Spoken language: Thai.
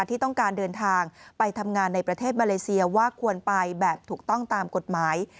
ที่ต้องการเดินทางไปทำงานในประเทศมาเลเซียว่าควรไปแบบถูกต้องตามกฎหมาย